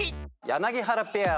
柳原ペア。